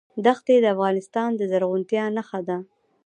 دښتې د افغانستان د زرغونتیا نښه ده.